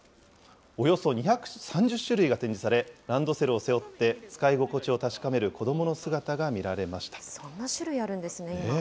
およそ２３０種類が展示され、ランドセルを背負って使い心地を確そんな種類あるんですね。